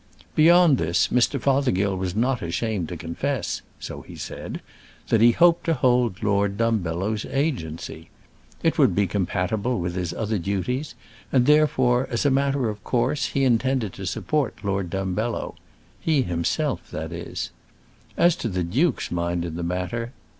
Beyond this, Mr. Fothergill was not ashamed to confess so he said that he hoped to hold Lord Dumbello's agency. It would be compatible with his other duties, and therefore, as a matter of course, he intended to support Lord Dumbello; he himself, that is. As to the duke's mind in the matter